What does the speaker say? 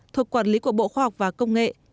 thuộc quản lý của bộ khoa học và công nghệ